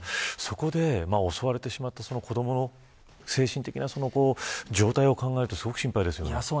そこで襲われてしまった子どもの精神的な状態を考えるとすごく心配ですね。